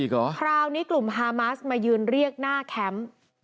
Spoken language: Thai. คราวนี้กลุ่มฮามาสมายืนเรียกหน้าแคมป์